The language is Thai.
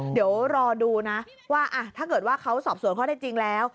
เดี๋ยวรอดูนะว่าถ้าเกิดว่าเขาสอบสวนข้อได้จริงแล้ว